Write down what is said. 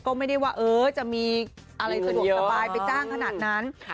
ก็ไม่ได้ว่าเออจะมีอะไรสะดวกสบายไปจ้างขนาดนั้น